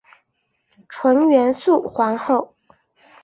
纯元肃皇后。